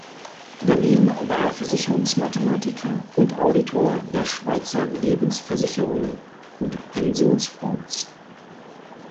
Daneben war er Versicherungsmathematiker und Auditor der Schweizer Lebensversicherungen und Pensionsfonds.